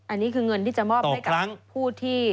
อันนี้คือเงินที่จะมอบให้กับผู้ที่